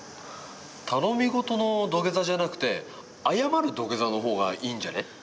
頼み事の土下座じゃなくて謝る土下座の方がいいんじゃね？